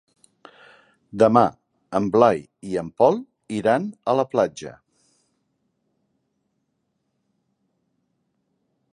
Demà en Blai i en Pol iran a la platja.